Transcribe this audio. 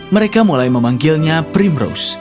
mereka mulai memanggilnya primrose